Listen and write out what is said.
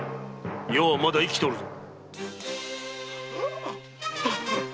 余はまだ生きておるぞ。